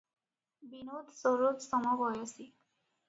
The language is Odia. ବିନୋଦ ସରୋଜ ସମବୟସୀ ।